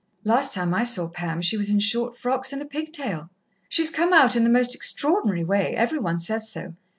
"Last time I saw Pam she was in short frocks and a pigtail." "She's come out in the most extraordinary way. Every one says so.